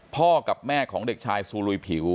พ่อกับแม่ของเด็กชายซูลุยผิว